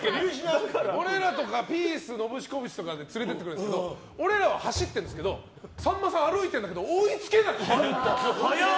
俺らとかピースノブシコブシとかで連れてってくれるんですけど俺らは走ってるんですけどさんまさんは歩いてるんだけど追いつけない。